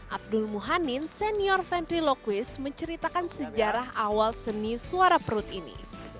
abdul muhannin senior ventriloquist menceritakan sejarah awal seni suara perut ini